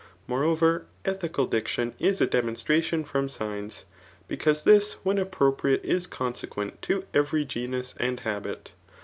Moreover, ethical dicdon is a demonstration from ^gns, because this when appropriate is consequent to every genus and habit.